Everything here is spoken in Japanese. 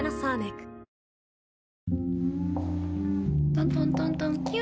トントントントンキュ。